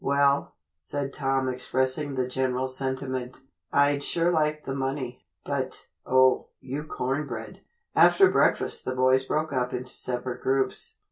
"Well," said Tom, expressing the general sentiment, "I'd sure like the money, but, oh, you corn bread." After breakfast, the boys broke up into separate groups.